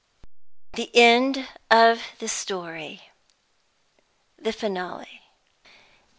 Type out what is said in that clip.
THE END OF THE STORY. The Finale.